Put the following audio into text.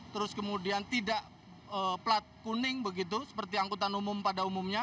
terus kemudian tidak plat kuning begitu seperti angkutan umum pada umumnya